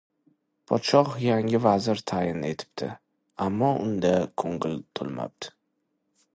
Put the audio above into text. Podshoh yangi vazir tayin etibdi, ammo undan ko‘ngli to‘lmabdi.